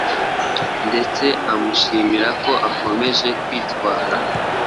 ndetse amushimira uko akomeje kwitwara,